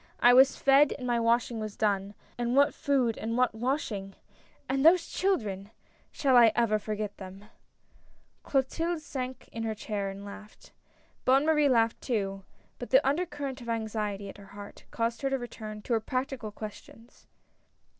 I was fed and my washing was done — and what food and what washing ! and those children — shall I ever forget them !" Clotilde sank back in her chair and laughed. Bonne Marie laughed too, but the under current of anxiety at her heart, caused her to return to her practical ques tions.